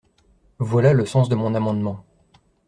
Voilà le sens de mon amendement.